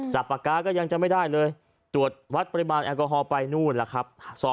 ปากกาก็ยังจะไม่ได้เลยตรวจวัดปริมาณแอลกอฮอล์ไปนู่นล่ะครับ